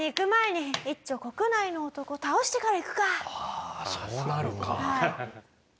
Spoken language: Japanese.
ああそうなるか。